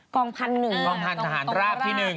พันหนึ่งกองพันธหารราบที่๑